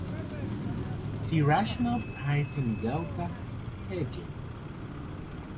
See Rational pricing delta hedging.